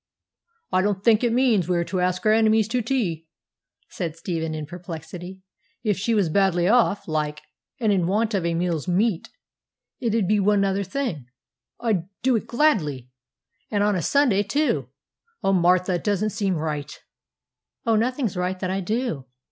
'I don't think it means we are to ask our enemies to tea,' said Stephen, in perplexity. 'If she was badly off, like, and in want of a meal's meat, it 'ud be another thing; I'd do it gladly. And on a Sunday too! Oh, Martha, it doesn't seem right.' 'Oh, nothing's right that I do!'